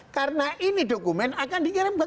karena ini dokumen akan dikirim ke afc